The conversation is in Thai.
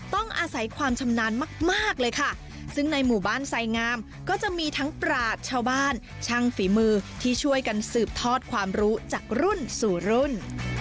ต้องอาศัยความชำนาญมากเลยค่ะซึ่งในหมู่บ้านไสงามก็จะมีทั้งปราศชาวบ้านช่างฝีมือที่ช่วยกันสืบทอดความรู้จากรุ่นสู่รุ่น